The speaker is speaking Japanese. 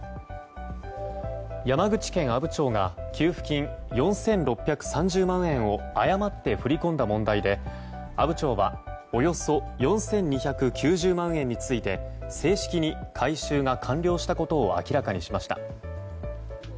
山口県阿武町が給付金４６３０万円を誤って振り込んだ問題で阿武町はおよそ４２９０万円について正式に回収が完了したことを明らかにしました。